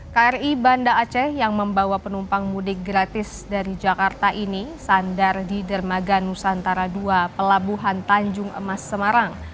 kri banda aceh yang membawa penumpang mudik gratis dari jakarta ini sandar di dermaga nusantara ii pelabuhan tanjung emas semarang